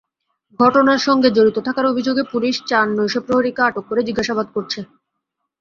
ঘটনার সঙ্গে জড়িত থাকার অভিযোগে পুলিশ চার নৈশপ্রহরীকে আটক করে জিজ্ঞাসাবাদ করছে।